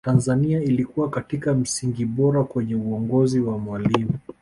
tanzania ilikuwa katika misingi bora kwenye uongozi wa mwalimu